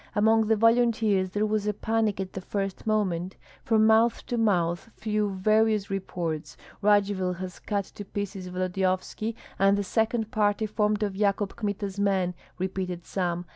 Among the volunteers there was a panic at the first moment. From mouth to mouth flew various reports: "Radzivill has cut to pieces Volodyovski and the second party formed of Yakub Kmita's men," repeated some.